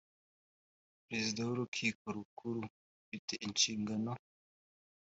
perezida w urukiko rukuru afite inshingano